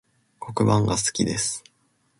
黒板が好きです